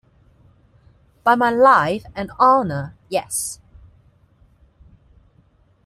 By my life and honour, yes!